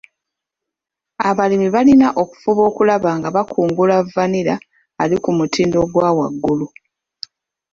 Abalimi balina okufuba okulaba nga bakungula vanilla ali ku mutindo ogwa waggulu.